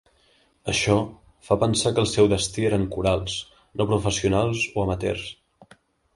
Això, fa pensar que el seu destí eren corals no professionals o amateurs.